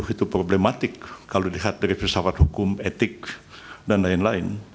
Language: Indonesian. itu problematik kalau dilihat dari filsafat hukum etik dan lain lain